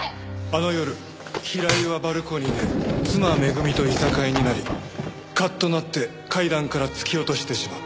あの夜平井はバルコニーで妻めぐみといさかいになりカッとなって階段から突き落としてしまった。